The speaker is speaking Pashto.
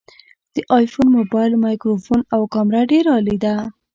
د آیفون مبایل مایکروفون او کامره ډیره عالي ده